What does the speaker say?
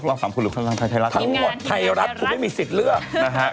ถ้ายารับผมไม่มีสิทธิ์เลือกนะฮะ